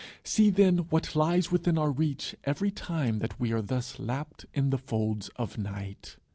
See, then, what lies within our reach every time that we are thus lapt in the folds of night.